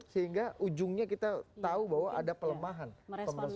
sehingga ujungnya kita tahu bahwa ada pelemahan pemberantasan korupsi